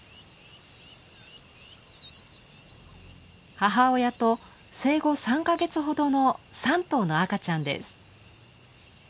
母親と生後３か月ほどの３頭の赤ちゃんです。